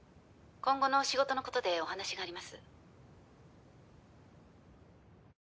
今後の仕事のことでお話があります。